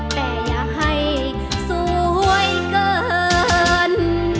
แต่อยากให้สวยเกิน